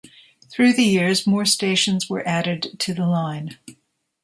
Through the years, more stations were added to the line.